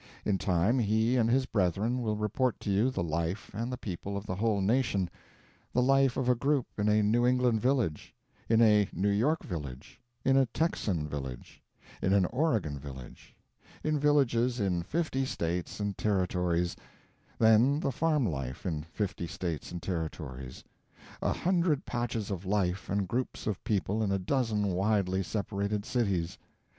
In time he and his brethren will report to you the life and the people of the whole nation the life of a group in a New England village; in a New York village; in a Texan village; in an Oregon village; in villages in fifty States and Territories; then the farm life in fifty States and Territories; a hundred patches of life and groups of people in a dozen widely separated cities.